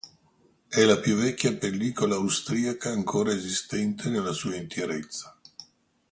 È la più vecchia pellicola austriaca ancora esistente nella sua interezza.